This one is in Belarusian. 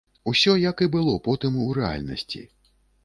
Усё, як і было потым у рэальнасці.